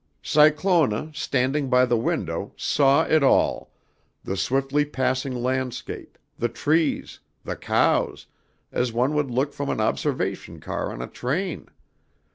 "Cyclona, standing by the window, saw it all, the swiftly passing landscape, the trees, the cows, as one would look from an observation car on a train.